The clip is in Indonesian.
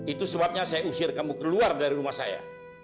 itu sebabnya saya usir kamu keluar dari rumah saya